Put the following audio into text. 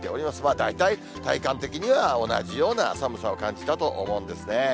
大体体感的には同じような寒さを感じたと思うんですね。